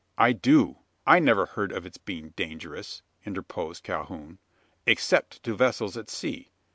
"I do." "I never heard of its being dangerous," interposed Calhoun, "except to vessels at sea.